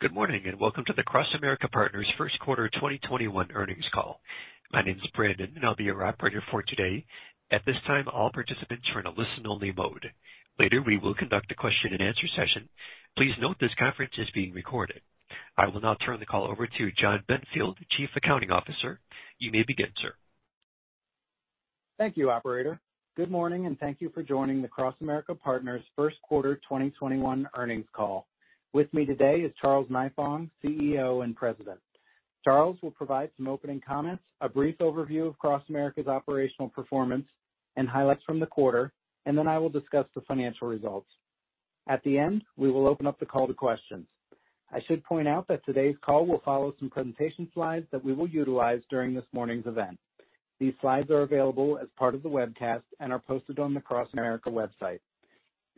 Good morning, welcome to the CrossAmerica Partners first quarter 2021 earnings call. My name is Brandon, and I'll be your operator for today. At this time, all participants are in a listen only mode. Later, we will conduct a question and answer session. Please note this conference is being recorded. I will now turn the call over to Jon Benfield, Chief Accounting Officer. You may begin, sir. Thank you, operator. Good morning, thank you for joining the CrossAmerica Partners first quarter 2021 earnings call. With me today is Charles Nifong, CEO and President. Charles will provide some opening comments, a brief overview of CrossAmerica's operational performance, and highlights from the quarter, I will discuss the financial results. At the end, we will open up the call to questions. I should point out that today's call will follow some presentation slides that we will utilize during this morning's event. These slides are available as part of the webcast and are posted on the CrossAmerica website.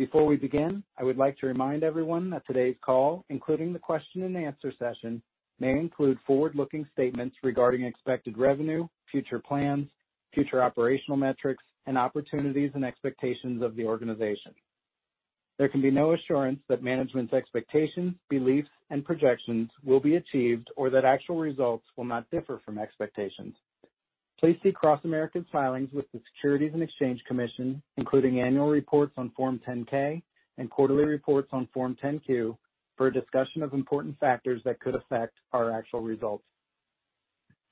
Before we begin, I would like to remind everyone that today's call, including the question and answer session, may include forward-looking statements regarding expected revenue, future plans, future operational metrics, opportunities and expectations of the organization. There can be no assurance that management's expectations, beliefs, and projections will be achieved, or that actual results will not differ from expectations. Please see CrossAmerica's filings with the Securities and Exchange Commission, including annual reports on Form 10-K and quarterly reports on Form 10-Q, for a discussion of important factors that could affect our actual results.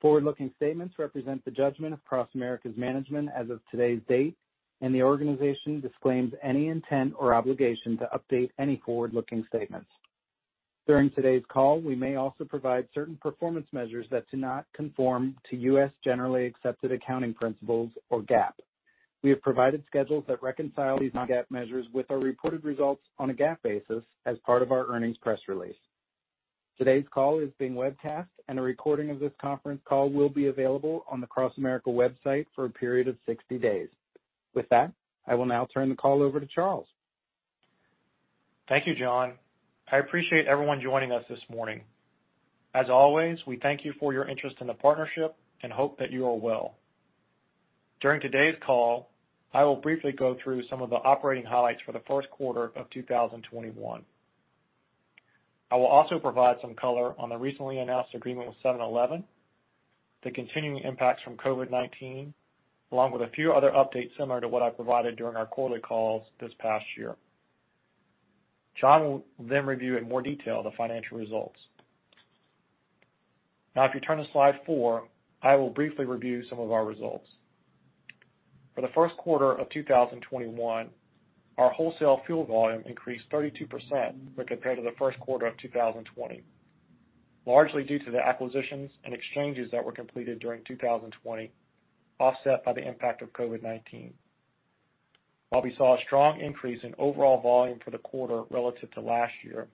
Forward-looking statements represent the judgment of CrossAmerica's management as of today's date, the organization disclaims any intent or obligation to update any forward-looking statements. During today's call, we may also provide certain performance measures that do not conform to U.S. generally accepted accounting principles, or GAAP. We have provided schedules that reconcile these non-GAAP measures with our reported results on a GAAP basis as part of our earnings press release. Today's call is being webcast, and a recording of this conference call will be available on the CrossAmerica website for a period of 60 days. With that, I will now turn the call over to Charles. Thank you, Jon. I appreciate everyone joining us this morning. As always, we thank you for your interest in the partnership and hope that you are well. During today's call, I will briefly go through some of the operating highlights for the first quarter of 2021. I will also provide some color on the recently announced agreement with 7-Eleven, the continuing impacts from COVID-19, along with a few other updates similar to what I provided during our quarterly calls this past year. Jon will review in more detail the financial results. If you turn to slide four, I will briefly review some of our results. For the first quarter of 2021, our wholesale fuel volume increased 32% when compared to the first quarter of 2020, largely due to the acquisitions and exchanges that were completed during 2020, offset by the impact of COVID-19. While we saw a strong increase in overall volume for the quarter relative to last year,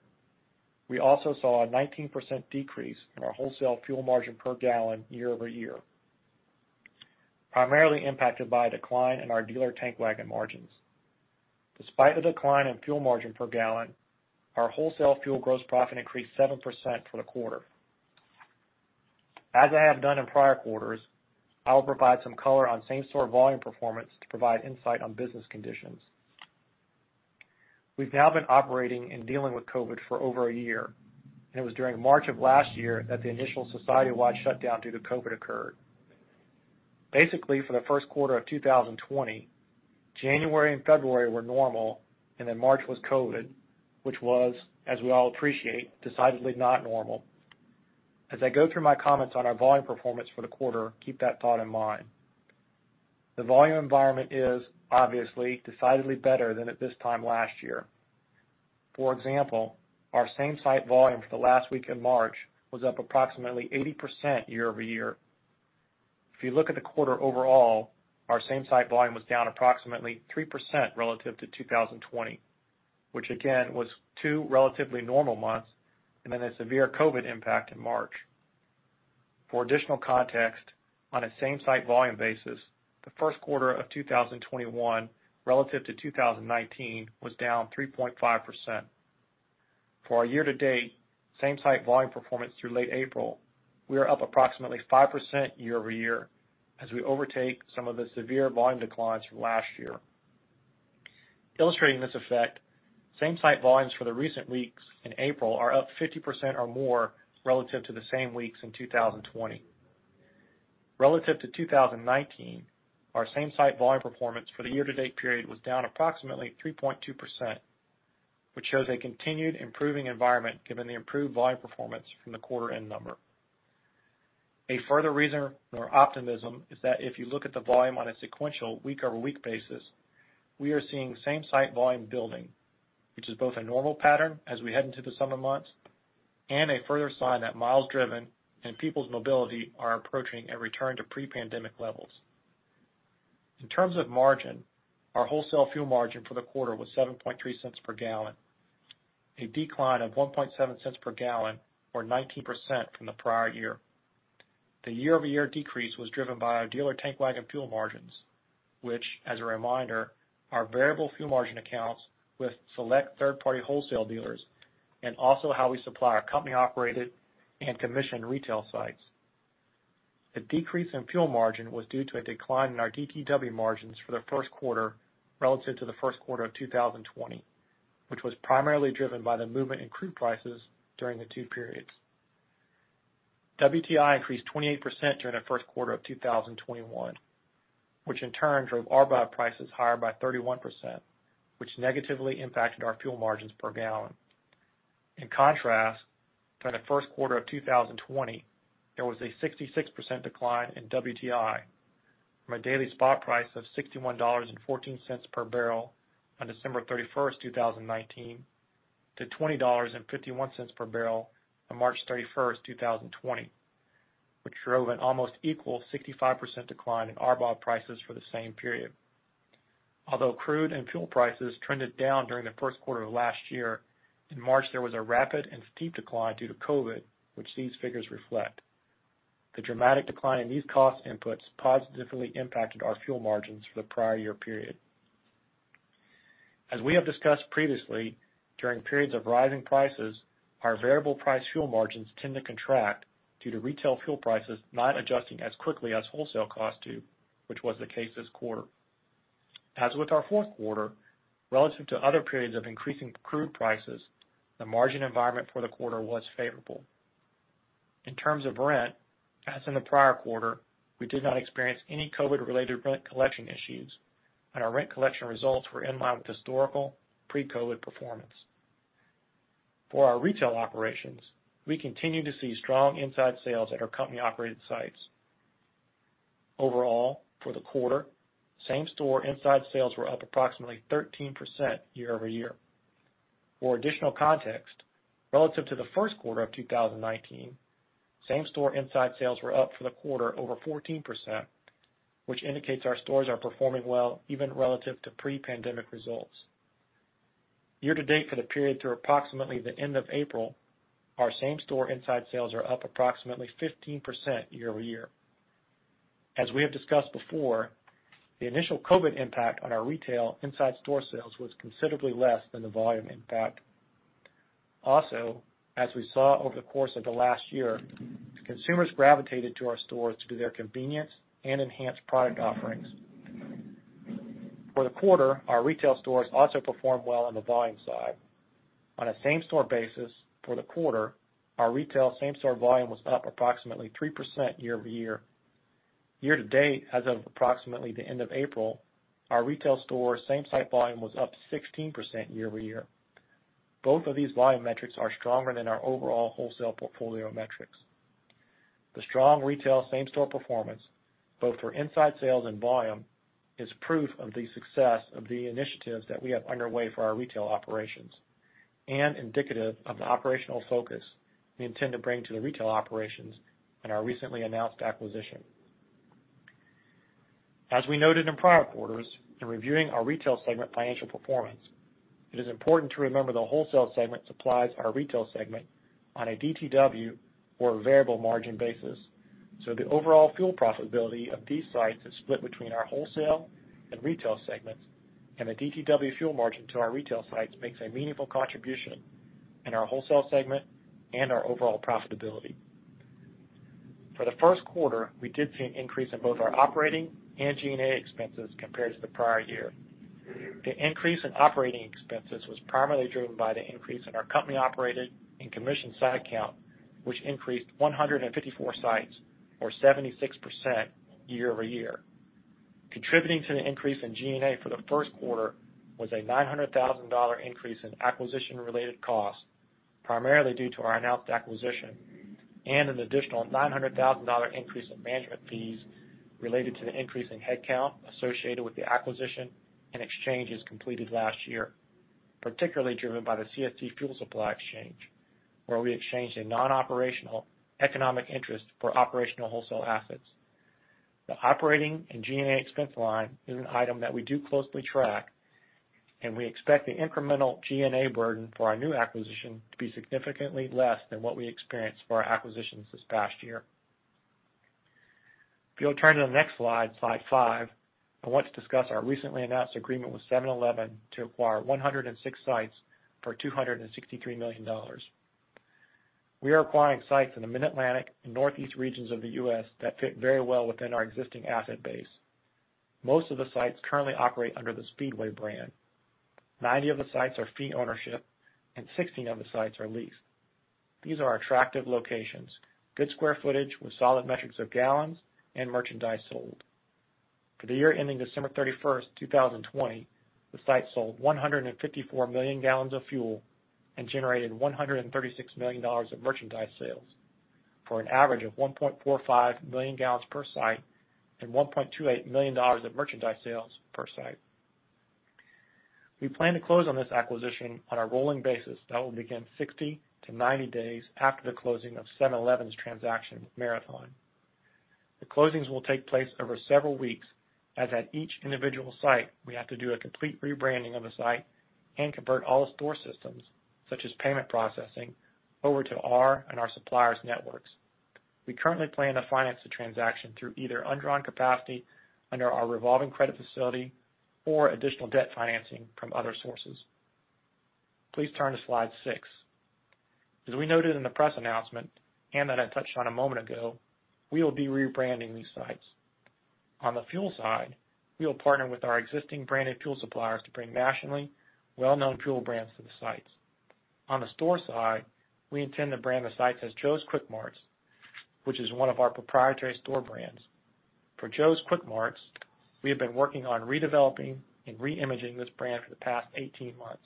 we also saw a 19% decrease in our wholesale fuel margin per gallon year-over-year, primarily impacted by a decline in our dealer tank wagon margins. Despite the decline in fuel margin per gallon, our wholesale fuel gross profit increased 7% for the quarter. As I have done in prior quarters, I will provide some color on same-store volume performance to provide insight on business conditions. We've now been operating and dealing with COVID for over a year. It was during March of last year that the initial society-wide shutdown due to COVID occurred. Basically, for the first quarter of 2020, January and February were normal. Then March was COVID, which was, as we all appreciate, decidedly not normal. As I go through my comments on our volume performance for the quarter, keep that thought in mind. The volume environment is obviously decidedly better than at this time last year. For example, our same site volume for the last week in March was up approximately 80% year-over-year. If you look at the quarter overall, our same site volume was down approximately 3% relative to 2020, which again, was two relatively normal months and then a severe COVID-19 impact in March. For additional context, on a same site volume basis, the first quarter of 2021 relative to 2019 was down 3.5%. For our year-to-date same site volume performance through late April, we are up approximately 5% year-over-year as we overtake some of the severe volume declines from last year. Illustrating this effect, same site volumes for the recent weeks in April are up 50% or more relative to the same weeks in 2020. Relative to 2019, our same site volume performance for the year to date period was down approximately 3.2%, which shows a continued improving environment given the improved volume performance from the quarter end number. A further reason for optimism is that if you look at the volume on a sequential week over week basis, we are seeing same site volume building, which is both a normal pattern as we head into the summer months and a further sign that miles driven and people's mobility are approaching a return to pre-pandemic levels. In terms of margin, our wholesale fuel margin for the quarter was $0.073 per gallon, a decline of $0.017 per gallon, or 19% from the prior year. The year-over-year decrease was driven by our dealer tank wagon fuel margins, which, as a reminder, are variable fuel margin accounts with select third-party wholesale dealers, and also how we supply our company-operated and commissioned retail sites. The decrease in fuel margin was due to a decline in our DTW margins for the first quarter relative to the first quarter of 2020, which was primarily driven by the movement in crude prices during the two periods. WTI increased 28% during the first quarter of 2021, which in turn drove RBOB prices higher by 31%, which negatively impacted our fuel margins per gallon. In contrast, during the first quarter of 2020, there was a 66% decline in WTI from a daily spot price of $61.14 per barrel on December 31, 2019 to $20.51 per barrel on March 31, 2020, which drove an almost equal 65% decline in RBOB prices for the same period. Although crude and fuel prices trended down during the first quarter of last year, in March there was a rapid and steep decline due to COVID-19, which these figures reflect. The dramatic decline in these cost inputs positively impacted our fuel margins for the prior year period. As we have discussed previously, during periods of rising prices, our variable price fuel margins tend to contract due to retail fuel prices not adjusting as quickly as wholesale costs do, which was the case this quarter. As with our fourth quarter, relative to other periods of increasing crude prices, the margin environment for the quarter was favorable. In terms of rent, as in the prior quarter, we did not experience any COVID-related rent collection issues, and our rent collection results were in line with historical pre-COVID performance. For our retail operations, we continue to see strong inside sales at our company-operated sites. Overall, for the quarter, same-store inside sales were up approximately 13% year-over-year. For additional context, relative to the first quarter of 2019, same-store inside sales were up for the quarter over 14%, which indicates our stores are performing well even relative to pre-pandemic results. Year to date for the period through approximately the end of April, our same-store inside sales are up approximately 15% year-over-year. As we have discussed before, the initial COVID-19 impact on our retail inside store sales was considerably less than the volume impact. Also, as we saw over the course of the last year, consumers gravitated to our stores due to their convenience and enhanced product offerings. For the quarter, our retail stores also performed well on the volume side. On a same-store basis for the quarter, our retail same-store volume was up approximately 3% year-over-year. Year to date, as of approximately the end of April, our retail store same site volume was up 16% year-over-year. Both of these volume metrics are stronger than our overall wholesale portfolio metrics. The strong retail same-store performance, both for inside sales and volume, is proof of the success of the initiatives that we have underway for our retail operations and indicative of the operational focus we intend to bring to the retail operations in our recently announced acquisition. As we noted in prior quarters, in reviewing our retail segment financial performance, it is important to remember the wholesale segment supplies our retail segment on a DTW or a variable margin basis. The overall fuel profitability of these sites is split between our wholesale and retail segments, and the DTW fuel margin to our retail sites makes a meaningful contribution in our wholesale segment and our overall profitability. For the first quarter, we did see an increase in both our operating and G&A expenses compared to the prior year. The increase in operating expenses was primarily driven by the increase in our company-operated and commissioned site count, which increased 154 sites, or 76% year-over-year. Contributing to the increase in G&A for the first quarter was a $900,000 increase in acquisition-related costs, primarily due to our announced acquisition and an additional $900,000 increase in management fees related to the increase in headcount associated with the acquisition and exchanges completed last year, particularly driven by the CST Fuel Supply exchange, where we exchanged a non-operational economic interest for operational wholesale assets. The operating and G&A expense line is an item that we do closely track, we expect the incremental G&A burden for our new acquisition to be significantly less than what we experienced for our acquisitions this past year. If you'll turn to the next slide five, I want to discuss our recently announced agreement with 7-Eleven to acquire 106 sites for $263 million. We are acquiring sites in the Mid-Atlantic and Northeast regions of the U.S. that fit very well within our existing asset base. Most of the sites currently operate under the Speedway brand. 90 of the sites are fee ownership and 16 of the sites are leased. These are attractive locations, good square footage with solid metrics of gallons and merchandise sold. For the year ending December 31st, 2020, the site sold 154 million gallons of fuel and generated $136 million of merchandise sales for an average of 1.45 million gallons per site and $1.28 million of merchandise sales per site. We plan to close on this acquisition on a rolling basis that will begin 60 to 90 days after the closing of 7-Eleven's transaction with Marathon. The closings will take place over several weeks, as at each individual site, we have to do a complete rebranding of the site and convert all store systems, such as payment processing, over to our and our suppliers' networks. We currently plan to finance the transaction through either undrawn capacity under our revolving credit facility or additional debt financing from other sources. Please turn to slide six. As we noted in the press announcement, and that I touched on a moment ago, we will be rebranding these sites. On the fuel side, we will partner with our existing branded fuel suppliers to bring nationally well-known fuel brands to the sites. On the store side, we intend to brand the sites as Joe's Kwik Mart, which is one of our proprietary store brands. For Joe's Kwik Mart, we have been working on redeveloping and re-imaging this brand for the past 18 months.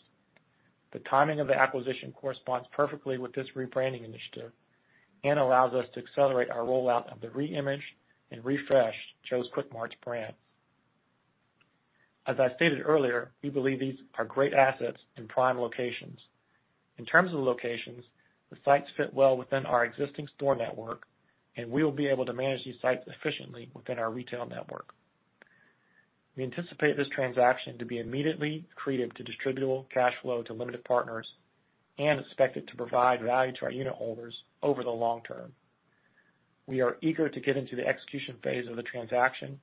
The timing of the acquisition corresponds perfectly with this rebranding initiative and allows us to accelerate our rollout of the re-imaged and refreshed Joe's Kwik Mart brand. As I stated earlier, we believe these are great assets in prime locations. In terms of the locations, the sites fit well within our existing store network and we will be able to manage these sites efficiently within our retail network. We anticipate this transaction to be immediately accretive to distributable cash flow to limited partners and expect it to provide value to our unit holders over the long term. We are eager to get into the execution phase of the transaction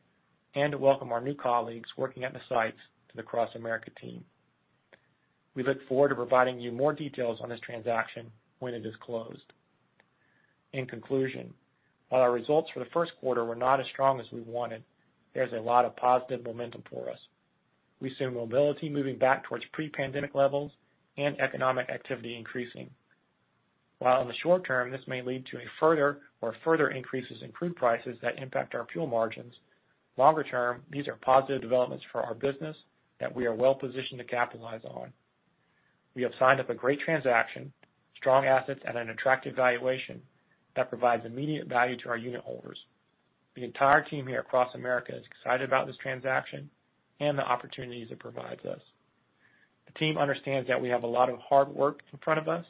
and to welcome our new colleagues working at the sites to the CrossAmerica team. We look forward to providing you more details on this transaction when it is closed. In conclusion, while our results for the first quarter were not as strong as we wanted, there's a lot of positive momentum for us. We see mobility moving back towards pre-pandemic levels and economic activity increasing. While in the short term, this may lead to a further increases in crude prices that impact our fuel margins, longer term, these are positive developments for our business that we are well positioned to capitalize on. We have signed up a great transaction, strong assets, and an attractive valuation that provides immediate value to our unit holders. The entire team here at CrossAmerica is excited about this transaction and the opportunities it provides us. The team understands that we have a lot of hard work in front of us,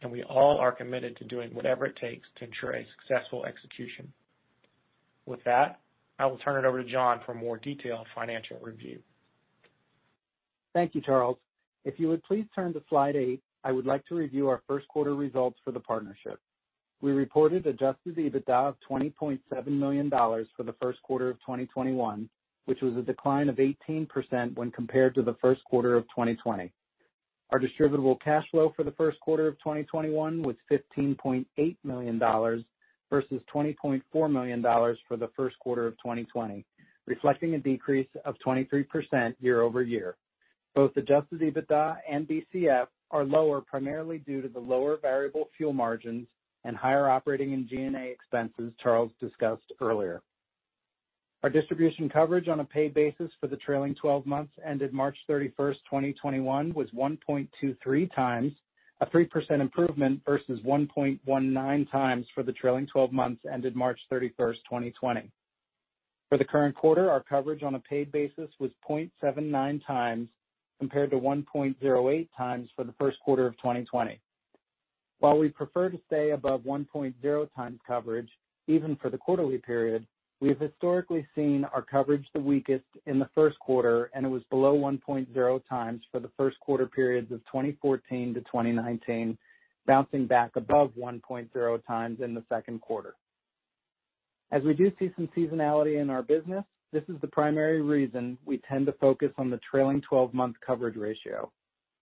and we all are committed to doing whatever it takes to ensure a successful execution. With that, I will turn it over to Jon for a more detailed financial review. Thank you, Charles. If you would please turn to slide eight, I would like to review our first quarter results for the partnership. We reported adjusted EBITDA of $20.7 million for the first quarter of 2021, which was a decline of 18% when compared to the first quarter of 2020. Our distributable cash flow for the first quarter of 2021 was $15.8 million versus $20.4 million for the first quarter of 2020, reflecting a decrease of 23% year-over-year. Both adjusted EBITDA and DCF are lower primarily due to the lower variable fuel margins and higher operating and G&A expenses Charles discussed earlier. Our distribution coverage on a paid basis for the trailing 12 months ended March 31st, 2021, was 1.23 times, a 3% improvement versus 1.19 times for the trailing 12 months ended March 31st, 2020. For the current quarter, our coverage on a paid basis was 0.79 times, compared to 1.08 times for the first quarter of 2020. While we prefer to stay above 1.0 times coverage, even for the quarterly period, we have historically seen our coverage the weakest in the first quarter, and it was below 1.0 times for the first quarter periods of 2014 to 2019, bouncing back above 1.0 times in the second quarter. As we do see some seasonality in our business, this is the primary reason we tend to focus on the trailing 12-month coverage ratio.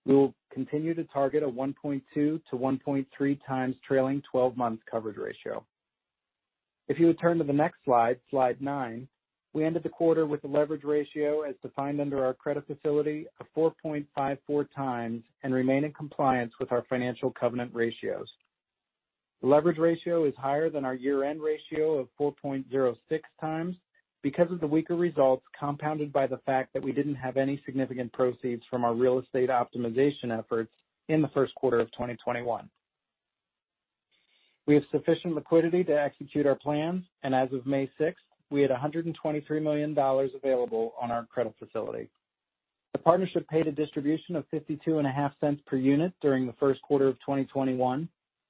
We will continue to target a 1.2-1.3 times trailing 12 months coverage ratio. If you would turn to the next slide nine, we ended the quarter with a leverage ratio, as defined under our credit facility, of 4.54 times and remain in compliance with our financial covenant ratios. The leverage ratio is higher than our year-end ratio of 4.06 times because of the weaker results, compounded by the fact that we didn't have any significant proceeds from our real estate optimization efforts in the first quarter of 2021. We have sufficient liquidity to execute our plans, and as of May 6th, we had $123 million available on our credit facility. The partnership paid a distribution of $0.525 per unit during the first quarter of 2021,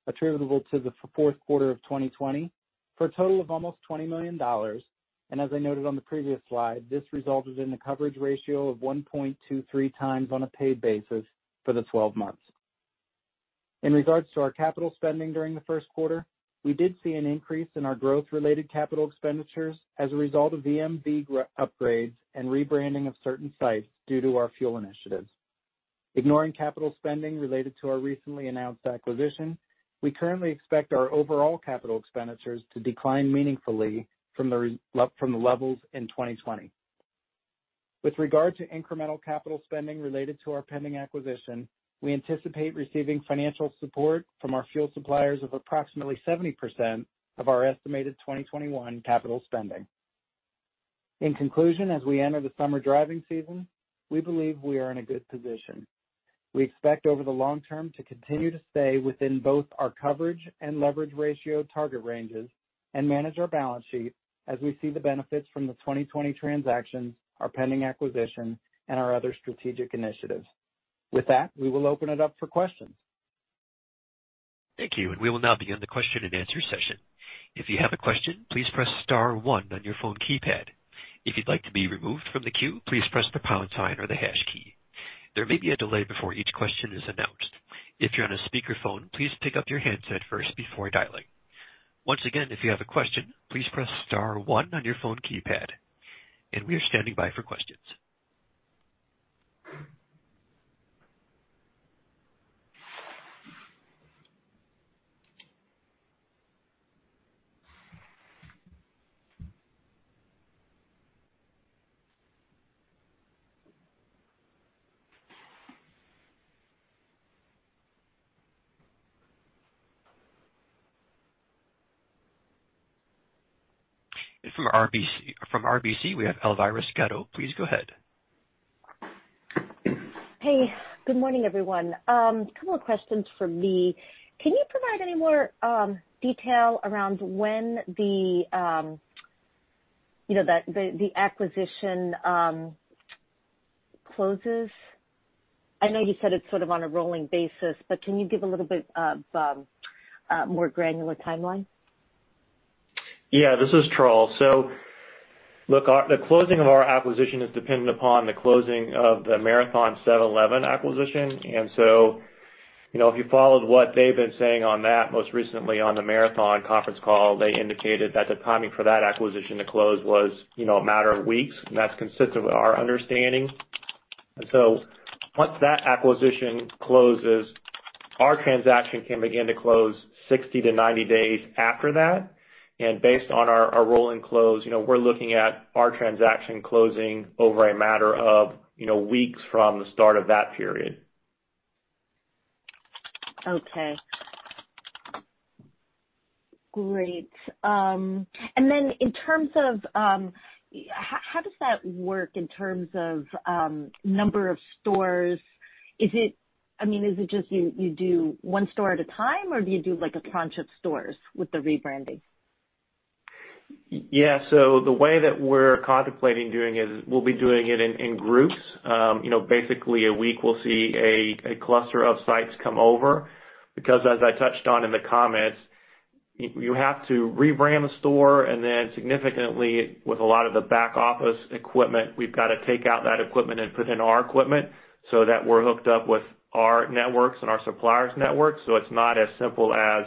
attributable to the fourth quarter of 2020, for a total of almost $20 million. As I noted on the previous slide, this resulted in a coverage ratio of 1.23 times on a paid basis for the 12 months. In regards to our capital spending during the first quarter, we did see an increase in our growth-related capital expenditures as a result of EMV upgrades and rebranding of certain sites due to our fuel initiatives. Ignoring capital spending related to our recently announced acquisition, we currently expect our overall capital expenditures to decline meaningfully from the levels in 2020. With regard to incremental capital spending related to our pending acquisition, we anticipate receiving financial support from our fuel suppliers of approximately 70% of our estimated 2021 capital spending. In conclusion, as we enter the summer driving season, we believe we are in a good position. We expect over the long term to continue to stay within both our coverage and leverage ratio target ranges and manage our balance sheet as we see the benefits from the 2020 transactions, our pending acquisition, and our other strategic initiatives. With that, we will open it up for questions. Thank you. We will now begin the question and answer session. If you have a question, please press star one on your phone keypad. If you'd like to be removed from the queue, please press the pound sign or the hash key. There may be a delay before each question is announced. If you're on a speakerphone, please pick up your handset first before dialing. Once again, if you have a question, please press star one on your phone keypad. We are standing by for questions. From RBC, we have Elvira Scotto. Please go ahead. Hey, good morning, everyone. Couple of questions from me. Can you provide any more detail around when the acquisition closes? I know you said it's sort of on a rolling basis, but can you give a little bit of more granular timeline? Yeah. This is Charles. The closing of our acquisition is dependent upon the closing of the Marathon 7-Eleven acquisition. If you followed what they've been saying on that, most recently on the Marathon conference call, they indicated that the timing for that acquisition to close was a matter of weeks, and that's consistent with our understanding. Once that acquisition closes, our transaction can begin to close 60 to 90 days after that. Based on our rolling close, we're looking at our transaction closing over a matter of weeks from the start of that period. Okay. Great. How does that work in terms of number of stores? Is it just you do one store at a time, or do you do a bunch of stores with the rebranding? Yeah. The way that we're contemplating doing it is we'll be doing it in groups. Basically a week we'll see a cluster of sites come over because as I touched on in the comments, you have to rebrand the store and then significantly with a lot of the back office equipment, we've got to take out that equipment and put in our equipment so that we're hooked up with our networks and our suppliers networks. It's not as simple as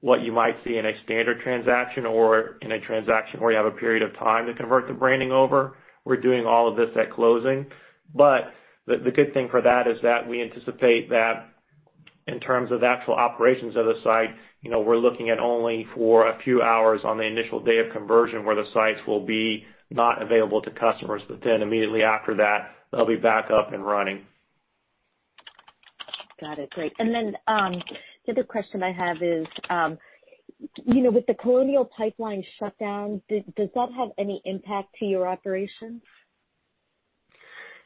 what you might see in a standard transaction or in a transaction where you have a period of time to convert the branding over. We're doing all of this at closing. The good thing for that is that we anticipate that in terms of actual operations of the site, we're looking at only for a few hours on the initial day of conversion where the sites will be not available to customers. Immediately after that, they'll be back up and running. Got it. Great. The other question I have is, with the Colonial Pipeline shutdown, does that have any impact to your operations?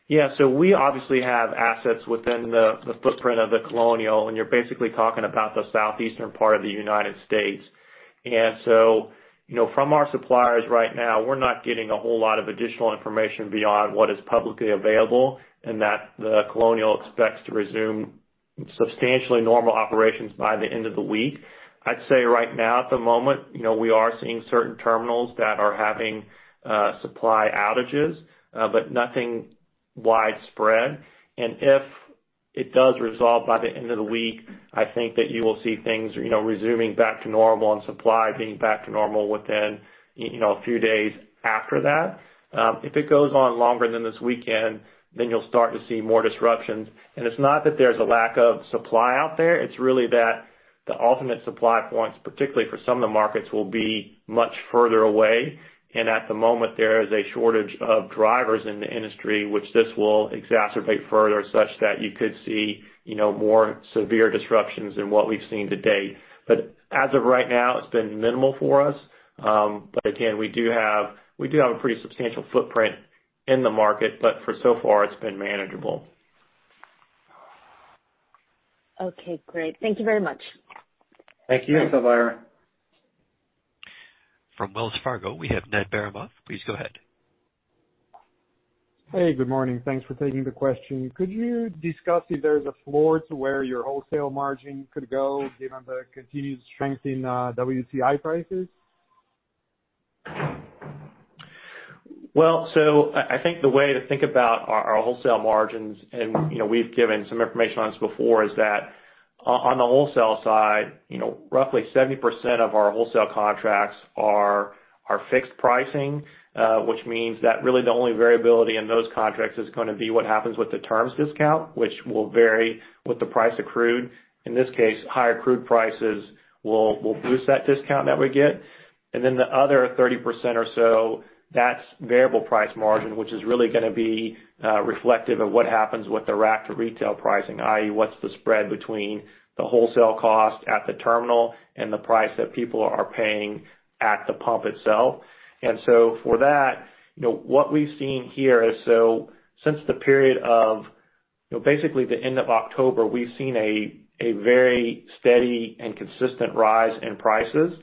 Yeah. We obviously have assets within the footprint of the Colonial, and you're basically talking about the southeastern part of the United States. From our suppliers right now, we're not getting a whole lot of additional information beyond what is publicly available and that the Colonial expects to resume substantially normal operations by the end of the week. I'd say right now at the moment, we are seeing certain terminals that are having supply outages, but nothing widespread. If it does resolve by the end of the week, I think that you will see things resuming back to normal and supply being back to normal within a few days after that. If it goes on longer than this weekend, then you'll start to see more disruptions. It's not that there's a lack of supply out there, it's really that the ultimate supply points, particularly for some of the markets, will be much further away. At the moment, there is a shortage of drivers in the industry, which this will exacerbate further such that you could see more severe disruptions than what we've seen to date. As of right now, it's been minimal for us. Again, we do have a pretty substantial footprint in the market, but for so far it's been manageable. Okay, great. Thank you very much. Thank you. Thanks, Elvira. From Wells Fargo, we have Ned Baramov. Please go ahead. Hey, good morning. Thanks for taking the question. Could you discuss if there's a floor to where your wholesale margin could go given the continued strength in WTI prices? I think the way to think about our wholesale margins, and we've given some information on this before, is that on the wholesale side, roughly 70% of our wholesale contracts are fixed pricing. Which means that really the only variability in those contracts is going to be what happens with the terms discount, which will vary with the price of crude. In this case, higher crude prices will boost that discount that we get. The other 30% or so, that's variable price margin, which is really going to be reflective of what happens with the rack to retail pricing, i.e., what's the spread between the wholesale cost at the terminal and the price that people are paying at the pump itself. For that, what we've seen here is since the period of basically the end of October, we've seen a very steady and consistent rise in prices.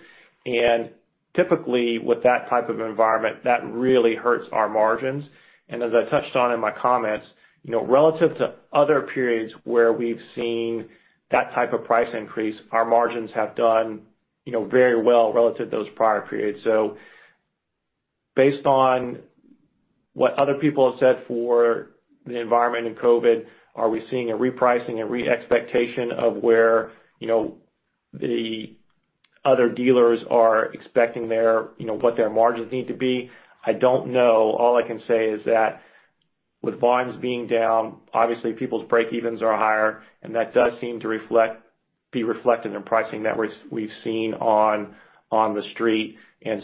Typically with that type of environment, that really hurts our margins. As I touched on in my comments, relative to other periods where we've seen that type of price increase, our margins have done very well relative to those prior periods. Based on what other people have said for the environment in COVID, are we seeing a repricing, a reexpectation of where the other dealers are expecting what their margins need to be? I don't know. All I can say is that with volumes being down, obviously people's breakevens are higher, and that does seem to be reflected in pricing that we've seen on the street.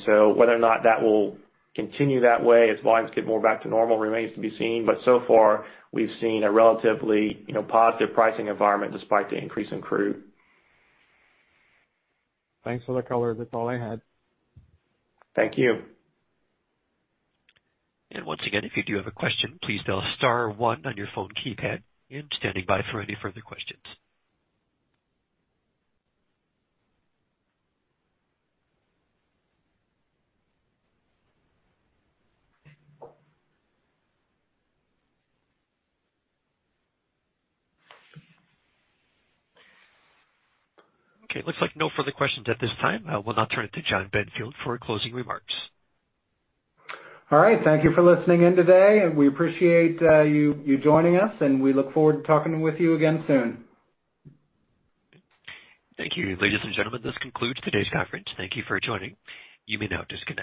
Whether or not that will continue that way as volumes get more back to normal remains to be seen. So far we've seen a relatively positive pricing environment despite the increase in crude. Thanks for the color. That's all I had. Thank you. Once again, if you do have a question, please dial star one on your phone keypad. Standing by for any further questions. Okay, looks like no further questions at this time. I will now turn it to Jon Benfield for closing remarks. All right. Thank you for listening in today. We appreciate you joining us, and we look forward to talking with you again soon. Thank you. Ladies and gentlemen, this concludes today's conference. Thank you for joining. You may now disconnect.